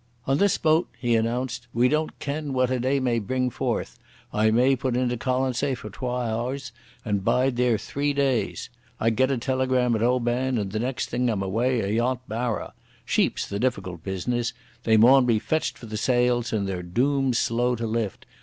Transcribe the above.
"On this boat," he announced, "we don't ken what a day may bring forth. I may put into Colonsay for twa hours and bide there three days. I get a telegram at Oban and the next thing I'm awa ayont Barra. Sheep's the difficult business. They maun be fetched for the sales, and they're dooms slow to lift.